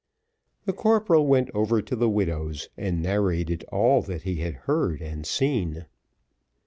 The corporal went over to the widow's, and narrated all that he had heard and seen.